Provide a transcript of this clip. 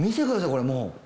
これもう。